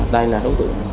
đây là đối tượng